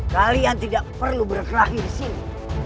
kau tidak perlu kehabisan di sini